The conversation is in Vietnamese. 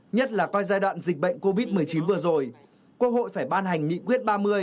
nhất là qua giai đoạn dịch bệnh covid một mươi chín vừa rồi quốc hội phải ban hành nghị quyết ba mươi